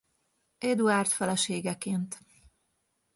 Eduárd feleségeként.